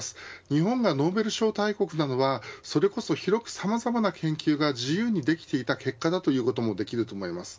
日本がノーベル賞大国なのはそれこそ広くさまざまな研究が自由にできていた結果だといえます。